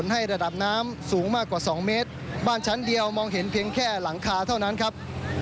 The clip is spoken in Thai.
ให้ระดับน้ำสูงมากกว่า๒เมตรบ้านชั้นเดียวมองเห็นเพียงแค่หลังคาเท่านั้นครับ